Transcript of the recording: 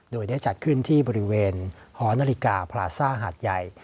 โดยได้จัดขึ้นที่บริเวณหอนาฬิกาพลาซ่าหาดใหญ่